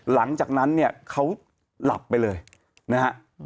หลังจากนั้นเนี่ยเขาหลับไปเลยนะฮะ